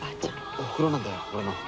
おふくろなんだよ俺の。